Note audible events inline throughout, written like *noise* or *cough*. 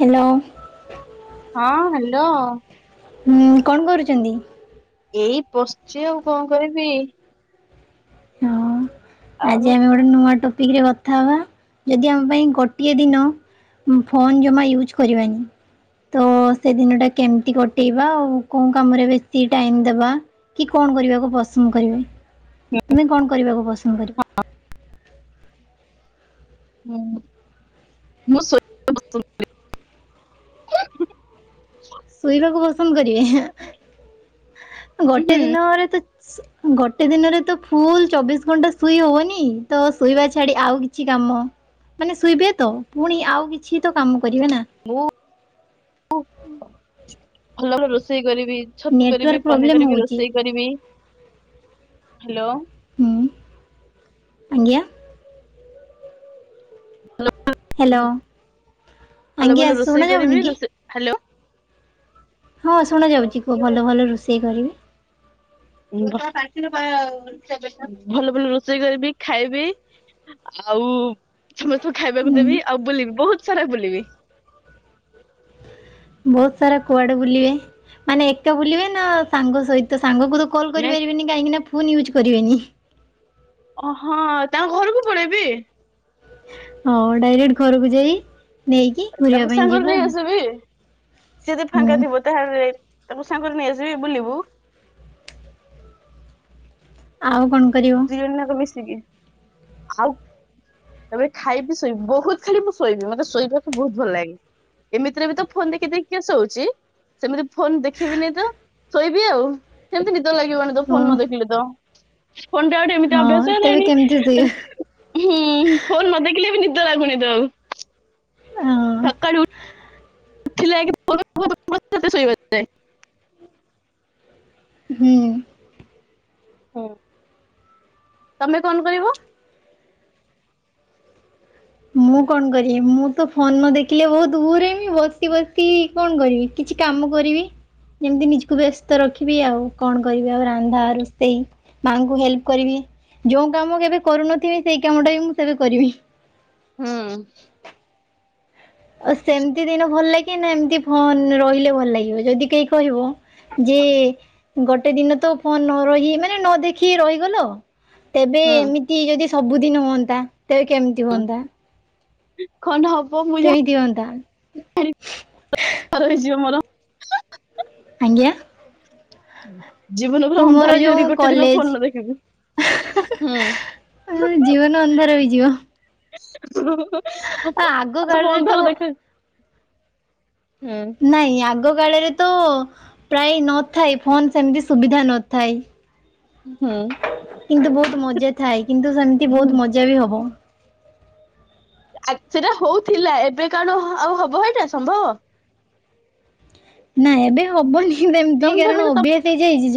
Hello. ହଁ hello. ହୁଁ କଣ କରୁଚନ୍ତି। ଏଇ ପସିଚି ଆଉ କଁ କରିବି। ହଁ ଆଉ ଆଜି ଆମେ ଗୋ ଟେ ନୂଆ ଟପିକରେ କଥା ହବା ଯଦି ଆମ ପାଇଁ ଗୋଟିଏ ଦିନ ଉଁ ଫୋନ୍ ଜମା ୟୁଜ୍ କରିବାନି। ତ ସେଦିନଟା କେମିତି କଟେଇବା ଆଉ କୋଉ କାମରେ ବେଶୀ ଟାଇମ ଦେବା। କି କଣ କରିବାକୁ ପସନ୍ଦ କରିବେ। ତୁମେ କଣ କରିବାକୁ ପସନ୍ଦ କରିବ। *unintelligible* ମୁଁ ମୁଁ ସୋ ଶୋଇବାକୁ ପସନ୍ଦ କରିବେ ଗୋଟେ ହୁଁ ଦିନରେ ତ ଗୋଟେ ଦିନରେ ତ ଫୁଲ ଚବିଶ ଘଣ୍ଟା ଶୁଇ ହବନି ତ ଶୋଇବା ଛାଡି ଆଉ କିଛି କାମ। ମାନେ ଶୁଇବେ ତ ପୁଣି ଆଉ କିଛି ତ କାମ କରିବେ ନା? ମୁଁ *unintelligible* ଭଲ ଭଲ ରୋଷେଇ କରିବି ଛତୁ କରିବି ନେଟୱାର୍କ ପନିରି ପ୍ରୋବ୍ଲେମ୍ କରିବି ହେଉଛି ରୋଷେଇ କରିବି। ହାଲୋ। ହୁଁ ଆଜ୍ଞା। ହ୍ୟାଲୋ *unintelligible* ଭଲ ଆଜ୍ଞା ଭଲ ରୋଷେଇ ଶୁଣାଯାଉନି କରିବି କି ରୋଷେଇ ହାଲୋ। ହଁ ଶୁଣାଯାଉଚି କୁହ ଭଲ ଭଲ ରୋଷେଇ କରିବେ। *unintelligible* ଭଲ ଭଲ ରୋଷେଇ କରିବି ଖାଇବି। ଆଉ ସମସ୍ତଙ୍କୁ ଖାଇବାକୁ ହୁଁ ଦେବି ଆଉ ବୁଲିବି ବୋହୁତ ସାରା ବୁଲିବି। ବୋହୁତ ସାରା କୁଆଡେ ବୁଲିବେ ମାନେ ଏକା ବୁଲିବେ ନା ସାଙ୍ଗ ସହିତ ସାଙ୍ଗକୁ ତ କଲ୍ ନାଇଁ କରିପାରିବେନି କାହିଁକିନା ଫୋନ୍ ୟୁଜ୍ କରିବେନି। ଅଁହଁ ତାଙ୍କ ଘରକୁ ପଳେଇବି। ହଁ ଡାଇରେକ୍ଟ ଘରକୁ ଯାଇ ନେଇକି ଘୁରିବା ତାକୁ ପାଇଁ ସାଙ୍ଗରେ ଯିବା ନେଇ ଆଉ। ଆସିବି ସିଏ ଯଦି ଫାଙ୍କା ହୁଁ ଥିବ ତାହେଲେ ଯାଇ ତାକୁ ସାଙ୍ଗରେ ନେଇଆସିବି ବୁଲିବୁ। ଆଉ କନ୍ ଦୁଇ ଜଣ ଜାକ ମିଶିକି ଆଉ ତାପରେ ଖାଇବି ଶୋଇବି ବୋହୁତ ଖାଲି ମୁଁ ଶୋଇବି ମତେ ଶୋଇବାକୁ ବୋହୁତ ଭଲ ଲାଗେ। ଏମିତିରେ ବି ତ ଫୋନ ଦେଖି ଦେଖି କି ଶୋଉଚି। ସେମିତି ଫୋନ ଦେଖିବିନି ତ ଶୋଇବି ଆଉ ସେମିତି ନିଦ ଲାଗିବନି ତ ଓ ଫୋନ ନ ଦେଖିଲେ ତ। ଫୋନ ଟା ଗୋଟେ ଏମିତିଆ ହଁ ଅଭ୍ୟାସ ତେବେ ହେଇ। କେମିତି ଶୋଇବ *unintelligible* ହୁଁ ଫୋନ୍ ନ ଦେଖିଲେ ବି ନିଦ ଲାଗୁନି ତ ଆଉ। *unintelligible* *unintelligible* *unintelligible* ହୁଁ। ହୁଁ, ତମେ କଣ କରିବ? ମୁଁ କଣ କରିବି। ମୁଁ ତ ଫୋନ ନ ଦେଖିଲେ ବହୁତ ବୋର୍ ହେମି ବସି ବସି କଣ କରିବି। କିଛି କାମ କରିବି। ଯେମିତି ନିଜକୁ ବ୍ୟସ୍ତ ରଖିବି ଆଉ କଣ କରିବି ଆଉ ରାନ୍ଧା ରୋଷେଇ। ମାଆଙ୍କୁ ହେଲ୍ପ କରିବି। ଯୋଉ କାମ କେବେ କରୁନଥିମି ସେଇ କାମ ଟା ବି ମୁଁ ସେବେ କରିମି। ହୁଁ। *inaudible* ସେମିତି ଦିନ ଭଲ ଲାଗେ ନା ଏମିତି ଫୋନ ରେ ରହିଲେ ଭଲ ଲାଗିବ ଯଦି କେହି କହିବ ଯେ ଗୋଟେ ଦିନ ତ ଫୋନ ନ ରହି ମାନେ ନ ଦେଖି ରହିଗଲ। ତେବେ ହୁଁ ଏମିତି ଯଦି ସବୁଦିନ ହୁଅନ୍ତା ତେବେ କେମିତି ହୁଅନ୍ତା? କଣ ହବ ମୁଁ କେମିତି ହୁଅନ୍ତା ଜାଣି *unintelligible* ମୋର। ଆଜ୍ଞା? ହୁଁ। ଜୀବନ ପୁରରେ ଅନ୍ଧାର ତୁମର ହେଇ ଯିବ ଯୋଉ ଯଦି ଗୋଟେ ଦିନ କଲେଜ ଫୋନ ନ ଦେଖିବି ହୁଁ। ଜୀବନ ଅନ୍ଧାର ବି ଯିବ? ହଁ ଆଗ ସବୁ କାଳରେ ତ ଅନ୍ଧାର ହୁଁ। ନାଇଁ ଆଗ କାଳରେ ତ ପ୍ରାୟ ନଥାଇ ଫୋନ ସେମିତି ସୁବିଧା ନଥାଏ। ହୁଁ କିନ୍ତୁ ବହୁତ ମଜା ଥାଏ କିନ୍ତୁ ସେମିତି ହୁଁ ବହୁତ ମଜା ବି ହବ। *unintelligible* ସେଟା ହଉଥିଲା। ଏବେ କଣ ଆଉ ହବ ଏଇଟା ସମ୍ଭବ? ନା ଏବେ ହବନି ସେମିତି ତମେ କାରଣ ଭାବିଲ ଅଭ୍ୟାସ ହେଇଯାଇଛି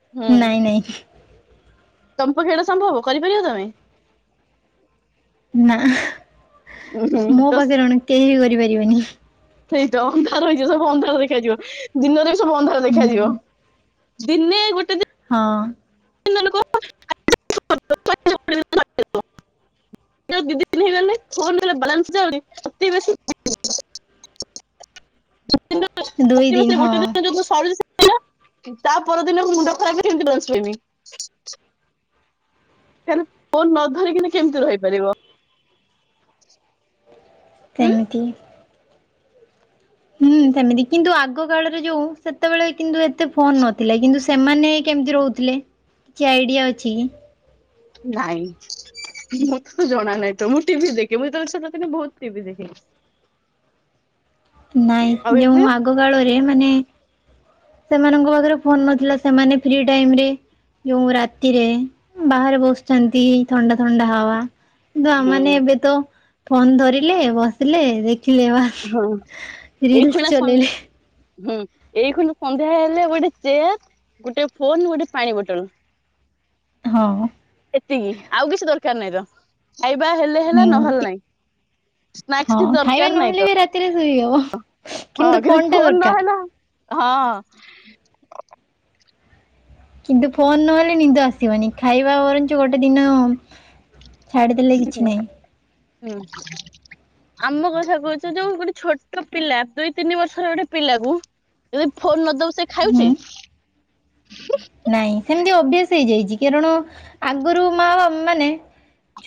ତମ ହୁଁ ନାଇଁ ନାଇଁ। ତମ ପକ୍ଷେ ଏଇଟା ସମ୍ଭବ କରିପାରିବ ତମେ? ନା ଉହୁଁ ମୋ ତ ସ- ପାଖରେ କଣ କେହି ବି କରିପାରିବେନି। ସେଇ ତ ଅନ୍ଧାର ହେଇଯିବ ସବୁ ଅନ୍ଧାର ଦେଖାଯିବ ଦିନରେ ବି ସବୁ ଅନ୍ଧାର ଦେଖାଯିବ। ହୁଁ ଦିନେ ଗୋଟେ ଦିନ ହଁ। ଲୋକ *inaudible* ଦି ଦିନ ହେଇଗଲେ ଫୋନ ହେଲେ ବାଲାନ୍ସ ଯାଉନି ଅତି ବେଶୀରେ *unintelligible* ଦୁଇ ଅତି ବେଶୀରେ ହଁ ଗୋଟେ ଦିନ ଯୋଉ ଦିନ ସରୁଛି ସେ *unintelligible* ତା ପରଦିନ ମୁଣ୍ଡ ଖରାପ କେମିତି। *unintelligible* *inaudible* ତାହେଲେ ଫୋନ୍ ନ ଧରିକିନା କେମିତି ରହିପାରିବ। ହୁଁ କେମିତି? ହୁଁ ସେମିତି କିନ୍ତୁ ଆଗ କାଳରେ ଯୋଉ ସେତେବେଳେ କିନ୍ତୁ ଏତେ ଫୋନ ନଥିଲା କିନ୍ତୁ ସେମାନେ କେମିତି ରହୁ ଥିଲେ? କିଛି ଆଇଡ଼ିଆ ଅଛି କି? ନାଇଁ ମତେ ତ ଜଣା ନହିଁ ତ ମୁଁ ଟିଭି ଦେଖେ ମୁଁ ଯେତେବେଳେ ଛୋଟ ଥିଲି ବହୁତ ଟିଭି ଦେଖେ। ଆଉ ନାଇଁ ଯୋଉ ଏବେ ଆଗ କାଳରେ ମାନେ ସେମାନଙ୍କ ପାଖରେ ଫୋନ ନଥିଲା ସେମାନେ ଫ୍ରି ଟାଇମ ରେ ଯୋଉ ରାତିରେ ବାହାରେ ବସଛନ୍ତି। ଥଣ୍ଡା ଥଣ୍ଡା ହାଵା କିନ୍ତୁ ହଁ ଆମେମାନେ ଏବେ ତ ଫୋନ ଧରିଲେ, ବସିଲେ ଦେଖିଲେ ବା ହଁ ଏଇ ରିଲସ ଖୁଲା ହୁଁ ଚଲେଇଲେ ଏଇ ଖୁନା ସନ୍ଧ୍ୟା ହେଲେ ଗୋଟେ ଚେୟାର, ଗୋଟେ ଫୋନ, ଗୋଟେ ପାଣି ବୋଟଲ। ହଁ। ଏତିକି ଆଉ କିଛି ଦରକାର ନାହିଁ ତ। ଖାଇବା ହେଲେ ହେଲା ହୁଁ ନହେଲେ ନାଇଁ ହଁ ସ୍ନାକ୍ସ କିଛି ଖାଇବା ଦରକାର ନହିଁ ତ। *unintelligible* ହଁ କିନ୍ତୁ କିଛି ଟା ଫୋନ ଦରକାର ନହେଲେ ହଁ। କିନ୍ତୁ ଫୋନ ନହେଲେ ନିଦ ଆସିବନି ଖାଇବା ବରଞ୍ଚ୍ ଗୋଟେ ଦିନ ଛାଡ଼ିଦେଲେ କିଛି ନାହିଁ ହୁଁ। ଆମ କଥା କଉଚ ଯୋଉ ଗୋଟେ ଛୋଟ ପିଲା ଦୁଇ ତିନି ବର୍ଷର ଗୋଟେ ପିଲାକୁ ଯଦି ଫୋନ୍ ନଦବୁ ସେ ଖାଉଚି? ହୁଁ ନାଇଁ ସେମିତି ଅଭ୍ୟାସ ହେଇଯାଇଚି କାରଣ ଆଗୁରୁ ମା ବା ମାନେ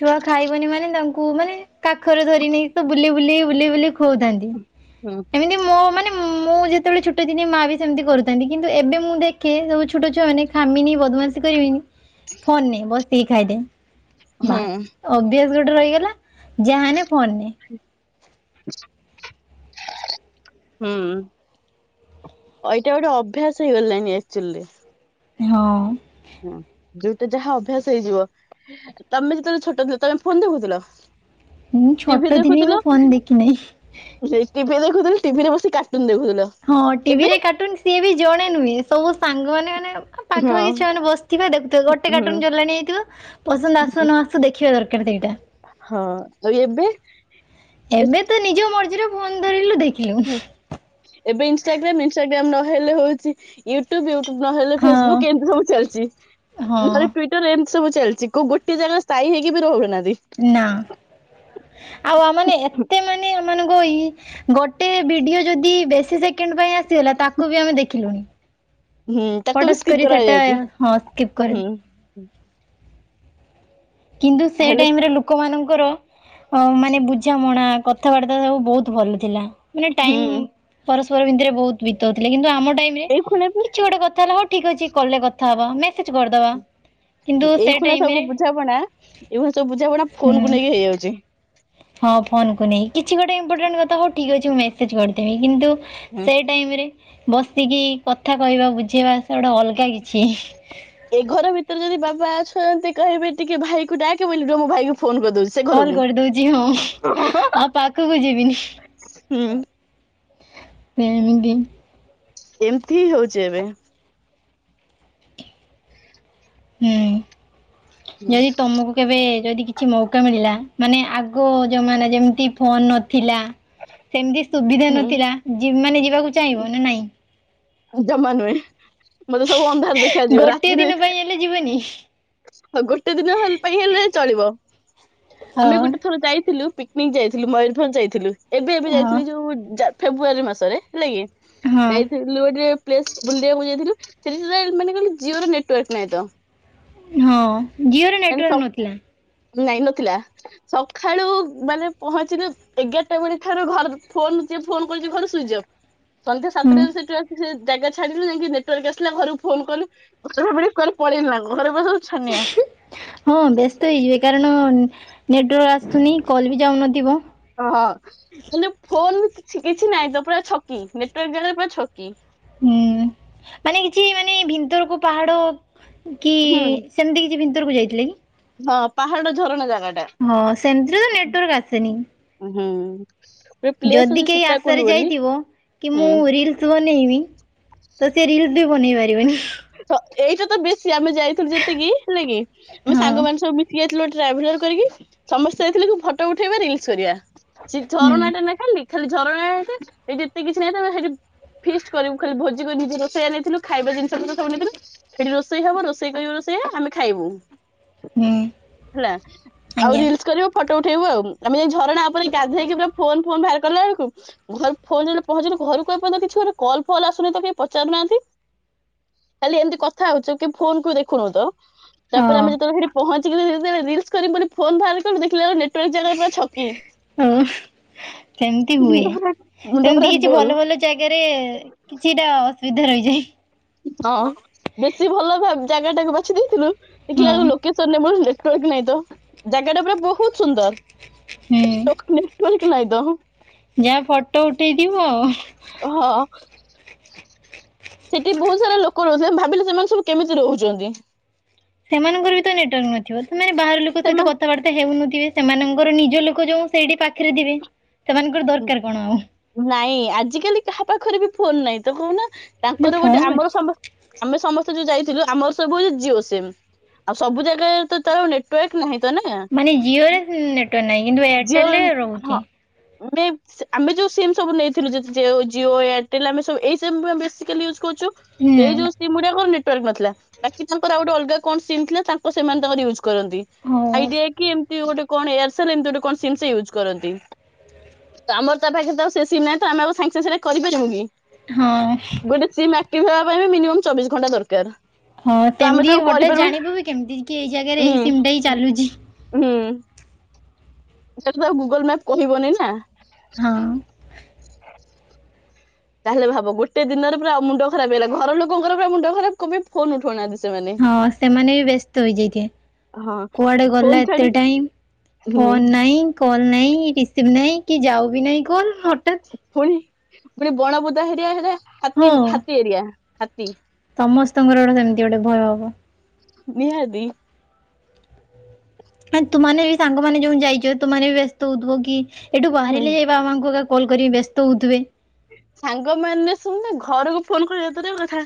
ଛୁଆ ଖାଇବନି ମାନେ ତା କୁ ମାନେ କାଖରେ ଧରି ନେଇି ତ ବୁଲେଇ ବୁଲେଇ ବୁଲେଇ ବୁଲେଇ ଖୁଆଉଥାନ୍ତି। ହୁଁ। ଏମିତି ମୋ ମାନେ ମୁଁ ଯେତବେଳେ ଛୋଟ ଥିନି ମାଆ ବି ସେମିତି କରୁଥାନ୍ତି କିନ୍ତୁ ଏବେ ମୁଁ ଦେଖେ ସବୁ ଛୋ ଛୋଟ ଛୁଆ ମାନେ ଖାମିନି ବଦମାସ କରିବେନି ଫୋନ ନେ ବସିକି ଖାଇଦେ। ହୁଁ ବାସ୍ ଅଭ୍ୟାସ ଗୋଟେ ରହିଗଲା ଯାହାନେ ଫୋନ୍ ନେ। *inaudible* ହୁଁ ଅଇଟା ଗୋଟେ ଅଭ୍ୟାସ ହେଇଗଲାଣିି ଆକଚୁଲିରେ। ହଁ। ହଁ ଯୋଉଟା ଯାହା ଅଭ୍ୟାସ ହେଇଯିବ। ତମେ ଯେତବେଳେ ଛୋଟ ଥିଲ ତମେ ଫୋନ୍ ଦେଖୁଥୁଲ? ମୁଁ ଛୋଟ ଥିନି ମୁଁ ଫୋନ ଦେଖିନେହିଁ। ସେଇ ଟିଭିରେ ଦେଖୁଥିଲି ଟିଭିରେ ବସି କାଟୁନ ଦେଖୁଥୁଲ। ହଁ ଟିଭି ରେ କାଟୁନ ସିଏ ବି ଜଣେ ନୁହେଁ ସବୁ ସାଙ୍ଗ ମାନ ମାନେ ହଁ ପାଖାପାଖି ଛୁଆ ମାନେ ବସିଥିବେ ଦେଖୁଥିବେ ଗୋଟେ ହଁ କାଟୁନ ଚଲାଣି ହେଇଥିବ ପସନ୍ଦ ଆସୁ ନ ଆସୁ ଦେଖିବା ଦରକାର ସେଇଟା। ହଁ ଆଉ ଏବେ ଏବେ ତ ନିଜ ମର୍ଜିର ଫୋନ୍ ଧରିଲୁ ଦେଖିଲୁ। ଏବେ ଇନଷ୍ଟାଗ୍ରାମ ଇନଷ୍ଟାଗ୍ରାମ ନହେଲେ ହଉଚି ୟୁଟ୍ୟୁବ ୟୁଟ୍ୟୁବ ନହେଲେ ହଁ ଫେସବୁକ୍ ଏମିତି ସବୁ ଚାଲିଚି ହଁ ନହେଲେ ଟୁଇ ଟର ଏମିତି ସବୁ ଚାଲିଚି କୋଉ ଗୋଟିଏ ଜାଗାରେ ସ୍ଥାଇ ହେଇକି ବି ରହୁନାହାନ୍ତି। ନା ଆଉ ଆମେ ମାନେ ଏତେ ମାନେ ଏମାନଙ୍କୁ ଇ ଗୋଟେ ଭିଡିଓ ଯଦି ବେଶୀ ସେକେଣ୍ଡ ପାଇଁ ଆସିଗଲା ତାକୁ ବି ଆମେ ଦେଖିଲୁଣି। ହୁଁ ତାକୁ ବି ଫଟାସ୍ ସ୍କିପ୍ କରି ସେଟା କରାଯାଉଛି ହଁ ସ୍କିପ୍ କରି ହୁଁ କିନ୍ତୁ ସେଇ ତାହେଲେ ଟାଇମରେ ଲୁ ଲୋକମାନଙ୍କର ଅ ମାନେ ବୁଝାମଣା କଥାବାର୍ତ୍ତା ସବୁ ବହୁତ ଭଲ ଥିଲା। ମାନେ ହୁଁ ଟାଇମ ପରସ୍ପର ଭିତରେ ବହୁତୁ ବିତଉଥିଲେ କିନ୍ତୁ ଆମ ଟାଇମରେ ଏଇ ଖୁଣା ବି କିଛି ଗୋଟେ କଥା ହେଲା ଠିକ୍ ଅଛି କଲ ରେ କଥା ହବା ମେସେଜ କରିଦବା କିନ୍ତୁ ସେଇ ଟାଇମରେ ବୁଝାବଣା ଏଇଭଳି ସବୁ ବୁଝାବଣା ହୁଁ ଫୋନ କୁ ନେଇକି ହେଇଯାଉଚି। ହଁ ଫୋନ୍ କୁ ନେଇ କିଛି ଗୋଟେ ଇମ୍ପୋର୍ଟାଣ୍ଟ କଥା ହଉ ଠିକ୍ ଅଛି ମୁଁ ମେସେଜ୍ କରିଦେବି କିନ୍ତୁ ହୁଁ ସେଇ ଟାଇମ୍ ରେ ବସିକି କଥା କହିବା ବୁଝେଇବା ସେ ଗୋଟେ ଅଲଗା କିଛି। ଏ ଘର ଭିତରେ ଯଦି ବାବା ଶୁଅନ୍ତି କହିବେ ଟିକେ ଭାଇ କୁ ଡାକେ ବୋଲି ରୁଅ ମୁଁ ଭାଇ କୁ ଫୋନ କରିଦଉ କଲ କରିଦଉଚି ହଁ ଆଉ ପାଖୁକୁ ଯିବିନି। ହୁଁ। ସେମିତି। ଏମିତି ହିଁ ହଉଚି ଏବେ। ହୁଁ ଯଦି ତମୁକୁ କେବେ ଯଦି କିଛି ମୌକା ମିଳିଲା ମାନେ ଆଗ ଜମାନା ଯେମିତି ଫୋନ ନଥିଲା। ସେମିତି ସୁବିଧା ହୁଁ ନଥିଲା ଜିମ୍ ମାନେ ଯିବାକୁ ଚାହିଁବ ନା ନାଇଁ? ଜମା ନୁହେଁ ମତେ ସବୁ ଅନ୍ଧାର ଦେଖାଯିବ ଗୋଟିଏ ରାତିରେ ଦିନ ପାଇଁ ହେଲେ ଯିବନି ହଉ ଗୋଟେ ଦିନ ହେଲେ ପାଇଁ ହେଲେ ଚଳିବ। ହଁ ଆମେ ଗୋଟେ ଥର ଯାଇଥିଲୁ ପି କନିକ୍ ଯାଇଥିଲୁ ମୟୂରଭଞ୍ଜ ଯାଇଥିଲୁ ଏବେ ଏବେ ହଁ ଯାଇଥିଲି ଯୋଉ ଜା ଫେବୃଆରୀ ମାସରେ ହେଲା କି। ହଁ ସେଇଥି ବୁଲିବାକୁ ଟିକେ ପ୍ଲେସ୍ ବୁଲିବାକୁ ଯାଇଥିଲୁ *unintelligible* ମାନେ କଇଲୁ ଜିଓ ର ନେଟୱାର୍କ ନାଇଁ ତ। ହଁ ଜିଓର ନେଟୱାର୍କ ନଥିଲା। ନାଇନ ନଥିଲା। ସକାଳୁ ମାନେ ପହଞ୍ଚିଲେ ଏଗାରଟା ବେଳେ ଠାରୁ ଘର ଫୋନ୍ ଯିଏ ଫୋନ୍ କରୁଛି ଘରେ ସୁଇଚ୍ଅଫ ସନ୍ଧ୍ୟା ହୁଁ ସାତଟା *unintelligible* ଛାଡିଲୁ ଯାଇକି ନେଟାର୍କ ଆସିଲା ଘରକୁ ଫୋନ୍ କଲୁ। ଘରେ ଭାବିଲେ କୁଆଡ଼େ ପଳେଇଲା। ଘରେ ପୁରା ଛାନିଆ। ହଁ ବ୍ୟସ୍ତ ହେଇଯିବେ କାରଣ ନେଟୱାର୍କ ଆସୁଥୁନି କଲ୍ ବି ଯାଉନଥିବ। ଓହୋ ମାନେ ଫୋନ୍ କିଛି ନାହିଁ ତ ପୁରା ଛକି ନେଟୱାର୍କ ଜାଗାରେ ପୁରା ଛକି। ହୁଁ ମାନେ କିଛି ମାନେ ଭିତରକୁ ପାହାଡ କି ହୁଁ ସେମିତି କିଛି ଭତରକୁ ଯାଇଥିଲେ କି? ହଁ ପାହାଡ ଝରଣା ଜାଗା ଟା। ହଁ ସେମିତିରେ ତ ନେଟୱାର୍କ ଆସେନି। ହୁଁ। ଗୋଟେ ପ୍ଲେସ ଯଦି ଅଛି କେହି ସୀତାକୁଣ୍ଡ ଆଶାରେ ବୋଲି ଯାଇଥିବ କି ମୁଁ ହୁଁ। ରିଲ୍ ତୁ ବନେଇବି ତ ସେ ରିଲ୍ସ ବି ବନେଇ ପାରିବନି। ଏଇଟା ତ ବେଶୀ ଆମେ ଯାଇଥିଲୁ ଯେତିକି ହେଲା କିି ଆମେ ହଁ ସାଙ୍ଗମାନେ ସବୁ। ଇଏଥିଲୁ ଟ୍ରାଭେଲର କରିକି ସମସ୍ତେ ଯାଇଥିଲେ ଫଟୋ ଉଠେଇବା ରିଲ୍ସ କରିବା। ସେ ହୁଁ ଝରଣା ଟା ନେ ଖାଲି ଖାଲି ଝରଣା ସେଇଠି ଏତେ କିଛି ନାଇଁଥା ସେଇଠି ଫିଷ୍ଟ କରିବୁ ଖାଲି ଭୋଜି କରି ନିଜ ରଷେଇଆ ନେଇଥିଲୁ ଖାଇବା ଜିନି ସେଠି ତ ସବୁ ନେଇଥିଲେ ଏଠି ରୋଷେଇ ହବ ରୋଷେଇ କରିବ ରୋଷେଇ ଆମେ ଖାଇବୁ। ହୁଁ। ହେଲା ଆଉ ଆଜ୍ଞା। ରିଲସ୍ କର। ଫଟୋ ଉଠେଇବୁ ଆଉ ଆମେ ଯେମିତି ଝରଣା ଉପରେ ଗାଧେଇକି ଫୋନ୍ ଫୋନ୍ ବାହାର କଲା ବେଳକୁ ଘରେ ଫୋନ୍ ପହଞ୍ଚିଲି ଘରକୁ ଏପର୍ଯ୍ୟନ୍ତ ଗୋଟ କଲ୍ ଫଲ୍ ଆସୁନି ତ କେହି ପଚାରୁନାହାନ୍ତି। ଖାଲି ଏମିତି କଥା ହଉଛୁ କି ଫୋନ୍ କୁ ଦେଖୁନୁ ତ? ତାପ ହଁ ଆମେ ଯେତେବେଳେ ସେଠି ପହଞ୍ଚିକି ରିଲସ୍ କରି ଫୋନ୍ ବାହାର କଲୁ ଦେଖିଲା ବେଳକୁ ନେଟୱାର୍କ ଜାଗା ପୁରା ଛକି। ହଁ ସେମିତି ହୁଏ। ମୁଣ୍ଡ ପୁରା ମୁଣ୍ଡ ପୁରା ସେମିତି କିଛି ଗୋଲ ଭଲ ଭଲ ଜାଗାରେ କିଛିଟା ଅସୁବିଧା ରହିଯାଏ। ହଁ ବେଶୀ ଭଲ ଭ ଜାଗା ଟାକୁ ବାଛି ଦେଇଥିଲୁ ଦେଖିଲା ବେଳକୁ ହଁ। ଲୋକ ସରିନାଇଁ ମୋର ନେଟୱାର୍କ ନାହିଁ ତ ଜାଗା ଟା ପୁରା ବହୁତ ହୁଁ ସୁନ୍ଦର। ପୁଲ୍କ ନାହିଁଦ। ଯାହା ଫଟୋ ଉଠେଇଥିବ ଆଉ। ଓହୋ। ସେଠି ବହୁତ ସାରା ଲୋକ ରହୁଛନ୍ତି। ଭାବିଲେ ସେମାନେ ସବୁ କେମିତି ରହୁଛନ୍ତି। ସେମାନଙ୍କର ବିତ ନେଟୱାର୍କ ନଥିବ ସେମାନେ ବାହାର ଲୋକ ସହିତ ସେମାନେ କଥାବାର୍ତ୍ତା ହେଉନଥିବେ ସେମାନଙ୍କର ନିଜ ଲୋକ ଯୋଉ ସେଇଠି ପାଖରେ ଥିବେ ସେମାନଙ୍କର ଦରକାର କଣ ଆଉ। ନାଇଁ ଆଜିକାଲି କାହା ପାଖରେ ବି ଫୋନ ନାହିଁ ତ କହୁନା ନା ତାଙ୍କର ଗୋଟେ ଫୋନ ଆମର ଅଛି। ସମସ୍ତ ଆମେ ସମସ୍ତେ ଯୋଉ ଯାଇଥିଲୁ ଆମର ସବୁ ହଉଛି ଜିଓ ସିମ୍ ଆଉ ସବୁ ଜାଗାରେ ତା ନେ ଟୁଏକ ନାହିଁ ତ ନାଁ ମାନେ ଜିଓରେ ନେଟୱାର୍କ ନାହିଁ କିନ୍ତୁ ଜିଓ ର ଏୟାରଟେଲରେ ରହୁଛି। ହଁ। ଆମେ ଯୋଉ ସିମ୍ ସବୁ ନେଇଥିଲୁ ଜିଓ ଏୟାରଟେଲ ଆମେ ସବୁ ଏଇ ସିମ୍ ବେଶୀ କାଲି ୟଜ୍‌ କରୁଛୁ। ଏଇ ହୁଁ ଯୋଉ ସିମ୍ ଗୁଡାର ନେଟୱାର୍କ ନଥିଲା ବାକି ତାଙ୍କର ଆ ଗୋଟେ ଅଲଗା କଣ ସିମ୍ ଥିଲା। ତାଙ୍କ ସେମାନେ ତାଙ୍କର ୟୁଜ୍‌ କରନ୍ତି ହଉ ଆଇଡିଆ କି ଏମିତି ଗୋଟେ କଣ ଏୟାରସଲ ଗୋଟେ କଣ ସିମ୍ ୟୁଜ୍‌ କରନ୍ତି। *unintelligible* ହଁ। ଗୋଟେ ଚିମ୍ ଆକ୍ଟିଭ ହେବା ପାଇଁ ମିନିଟ ଚବିଶ ଘଣ୍ଟା ଦରକାର। ହଁ ତ ଆମେ ତେମିତି ତାକୁ ହଠାତ୍ କରିପାରିବୁ ଜାଣିବୁ ବି କେମିତି କି ଏଇ ଜାଗାରେ ହୁଁ। ଏଇ ସିମ୍ ଟା ହିଁ ଚାଲୁଚି। ହୁଁ। ସେଇଟା ତ ଆଉ ଗୁଗଲ୍ ମ୍ୟାପ୍ କହିବନି ନା। ହଁ। ତାହେଲେ ଭାବ ଗୋଟେ ଦିନରେ ପୁରା ମୁଣ୍ଡ ଖରାପ ହେଇଗଲା। ଘର ଲୋକଙ୍କର ପୁରା ମୁଣ୍ଡ ଖରାପ କମି ଫୋନ ଉଠଉନାହାନ୍ତି। ସେମାନେ। ହଁ ସେମାନେ ବି ବ୍ୟସ୍ତ ହୋଇଯାଇଥିବେ ହଁ କୁଆଡେ ଗଲା ଫୋନ ଛାଡି ଏତେ ଟାଇମ୍। ହୁଁ ଫୋନ୍ ନାଇଁ କଲ୍ ନାଇଁ ରିସିଭ ନାହିଁ କି ଯାଉ ବି ନାହିଁ କଲ୍ ହଠତ୍। ପୁଣି ପୁଣି ବଣବୁଦ ଏରିଆ ହେଲା ହାତୀ ହଁ ହାତୀ ଏରିଆ ହାତୀ ସମସ୍ତଙ୍କର ଗୋଟେ ସେମିତି ଗୋଟେ ଭୟ ହବ। ନିହାତି ତୁମେ ବି ସାଙ୍ଗମାନେ ଯୋଉ ଯାଇଛ ତୁମେ ବି ବ୍ୟସ୍ତ ହଉଥିବ କି ଏଠୁ ହୁଁ। ବାହାରିଲେ *unintelligible* କଲ୍ କରିକି ବ୍ୟସ୍ତ ହେଉଥିବେ। ସାଙ୍ଗମାନେ ଶୁଣେ ଘରକୁ ଫୋନ କରିଵେ ତରେ କଥା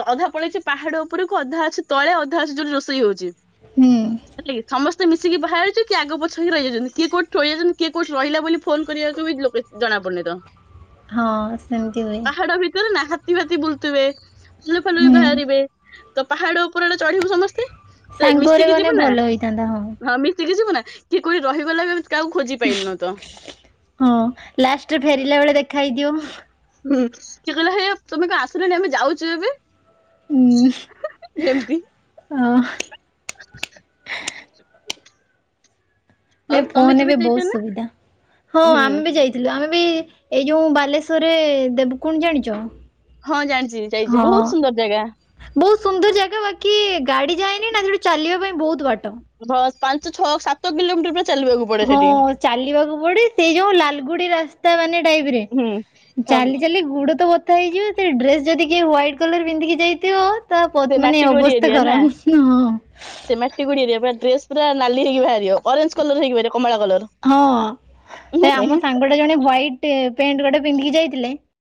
ଯଧା ପଳେଇଛି। ପାହାଡ ଉପରକୁ ଅଧା ଅଛି ତଳେ ଅଧା ଅଛି ଯୋଉି ରୋଷେଇ ହଉଛି। ହୁଁ ହେ କି ସମସ୍ତେ ମିଶିକି ବାହାର ଯାଉ କି ଆଗ ପଛକ ରହିଯାଉଛନ୍ତି କିଏ କୋଉଠିଳି ଯାଉଛନ୍ତି କିଏ କୋଉଠି ରିଲ ବୋଲି ଫୋନ କରିବାକୁ ଲକେ ଜଣାପୁଣି ତ। ହଁ ସେମିତି ହୁଏ ପାହାଡ ଭିତରେ ନା ହାତୀ ଫାତି ବୁଲଥିବେ ଭାଲୁ ଫାଲୁ ହୁଁ ବାହାରିବେ। ତ ପାହାଡ ଉପରେ ଚଢିବୁ ସମସ୍ତେ ତ ସାଙ୍ଗରେ ମିଶିକି ଗଲେ ଯିବୁ ନା। ଭଲ ହେଇଥାନ୍ତା ହଁ ଟିକି ଯିବ ନା କିଏ କୋଠି ରହିଗଲା ବି କାହା ଖୋଜି ପାଇଲୁନ ତ। ହଁ ଲାଷ୍ଟରେ ଫେରିଲା ବେଳେ ଦେଖା ହେଇ ଯିବ। ହୁଁ କିଏ କହିଲେ ହେଇ ତମେ କ ଆସିଲନି ଆମେ ଯାଉଛୁ ଏବେ। ହୁଁ କେମିତି? ଅ। ହ। ଆଉ ତମେ ଫୋନରେ କେବେ ବି ବହୁତ ଯାଇଛ ନା ସୁବିଧା ହଁ ହୁଁ ଆମେ ବି ଯାଇ। ଆମେ ବି ଏଇ ଯୋଉ ବାଲେଶ୍ଵରରେ ଦେବୁ କୁଣ୍ଡ ଜାଣିଛ? ହଁ ଜାଣିଛି ଯାଇଛି ହଁ। ବହୁତ ସୁନ୍ଦର ଜାଗା। ବହୁତ ସୁନ୍ଦର ଜାଗା ବାକି ଗାଡି ଯାଏନି ନା ସେଠୁ ଚାଲିବା ପାଇଁ ବହୁତ ବାଟ। ବସ୍ ପାଞ୍ଚ ଛଅ ସାତ କିଲୋମିଟର ପୁରା ଚାଲିବାକୁ ପଡେ ହଁ ସେଠି ଚାଲିବାକୁ ପଡେ ସେଇ ଯୋଉ ଲାଲଗୁଡି ରାସ୍ତା ମାନେ ଟାଇପ ରେ। ହୁଁ ହଁ ଚାଲି ଚାଲି ଗୁଡ ତ ବଥା ହେଇଯିବ ସେ ଡ୍ରେସ ଯଦି କିଏ ହ୍ୱାଇଟ କଲର ପିନ୍ଧିକି ଯାଇଥିବ। ତା ସେ ମାନେ ମାଟି ଗୋଡି ଅବସ୍ଥା ଖରାପଁ। ଡିଡେ ପୁରା ନାଲି ହେଇକିବାରିବ ଅରେଞ୍ଜ କଲର ହେଇକି କମଳା କଲର। ହଁ ଆମ ସାଙ୍ଗଟେ ଜଣେ ୱାଇଟ୍ ପ୍ୟାଣ୍ଟ ଗୋଟେ ପିନ୍ଧିକି ଯାଇଥିଲେ।